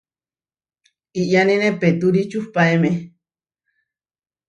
Iʼyánine peetúri čuhpaéme.